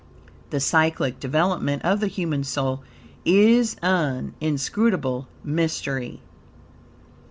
The cyclic development of the human soul is an inscrutable mystery.